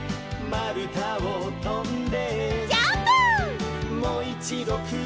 「まるたをとんで」